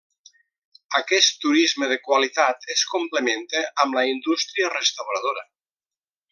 Aquest turisme de qualitat es complementa amb la indústria restauradora.